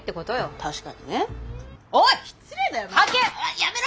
やめろ！